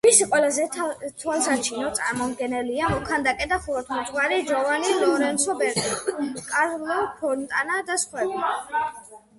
მისი ყველაზე თვალსაჩინო წარმომადგენელია მოქანდაკე და ხუროთმოძღვარი ჯოვანი ლორენცო ბერნინი, კარლო ფონტანა და სხვები.